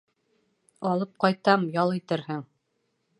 Алып ҡайтам, ял итерһең.